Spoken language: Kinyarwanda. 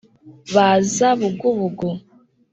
Baza bugubugu